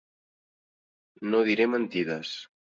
No diré mentides.